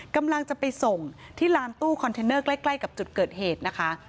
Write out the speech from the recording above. กำลังจะไปส่งที่ลานตู้คอนเทนเนอร์ใกล้กับจุดเกิดเหตุนะคะ